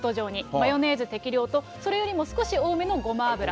マヨネーズ適量と、それよりも少し多めのごま油。